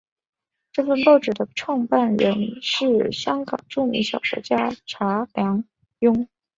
这份报纸的创办人是香港著名小说家查良镛。